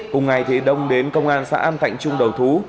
cùng ngày thì đông đến công an xã an thạnh trung đầu thú